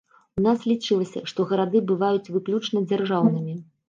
У нас лічылася, што гарады бываюць выключна дзяржаўнымі.